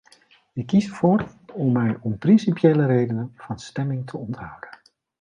Ik kies ervoor om mij om principiële redenen van stemming te onthouden.